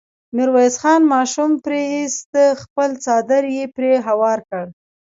ميرويس خان ماشوم پرې ايست، خپل څادر يې پرې هوار کړ.